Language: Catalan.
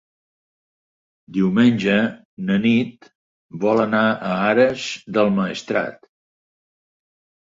Diumenge na Nit vol anar a Ares del Maestrat.